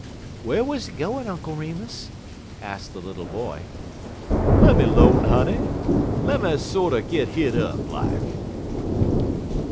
"Where was he going, Uncle Remus?" asked the little boy. "Lemme 'lone, honey! Lemme sorter git hit up, like.